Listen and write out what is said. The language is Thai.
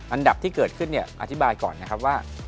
อันดับที่เกิดขึ้นอธิบายก่อนนะครับว่า